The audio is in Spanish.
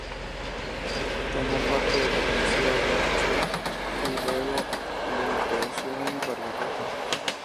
Tomó parte en la ofensiva de Alsacia y luego en la Operación Barbarroja.